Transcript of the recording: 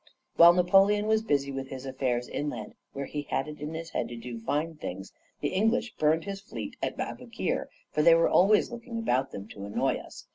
Well, while Napoleon was busy with his affairs inland where he had it in his head to do fine things the English burned his fleet at Aboukir; for they were always looking about them to annoy us.